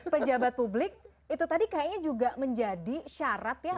pejabat publik itu tadi kayaknya juga menjadi syarat ya